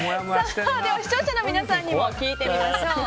視聴者の皆さんにも聞いてみましょう。